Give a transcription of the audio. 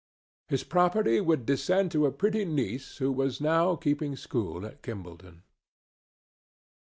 His property would descend to a pretty niece who was now keeping school in Kimballton.